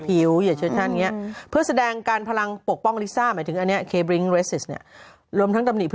พี่น้อยเป็นการเรียกคนไทยที่หลบหนีเข้าไปทำงาน